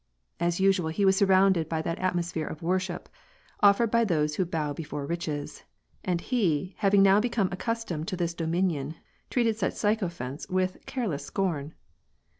^ asnal, he was surrounded by that atmosphere of worship *eied by those who bow before riches, and he, having now be ^me accustomed to this dominion, treated such sycophants h careless scorn.